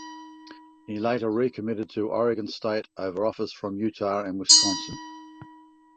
He later recommitted to Oregon State over offers from Utah and Wisconsin.